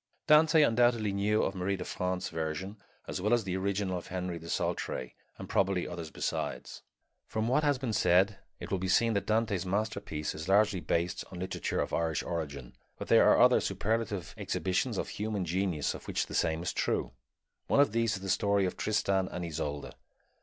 Dante undoubtedly knew of Marie de France's version as well as the original of Henry of Saltrey and probably others besides. From what has been said it will be seen that Dante's masterpiece is largely based on literature of Irish origin; but there are other superlative exhibitions of human genius of which the same is true. One of these is the story of Tristan and Isolde.